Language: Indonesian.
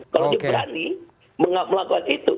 kalau berani melakukan itu